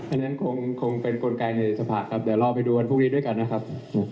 อันนั้นคงเป็นกลไกในสภาครับเดี๋ยวรอไปดูวันพรุ่งนี้ด้วยกันนะครับ